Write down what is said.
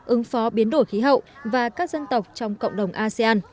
ứng phó biến đổi khí hậu và các dân tộc trong cộng đồng asean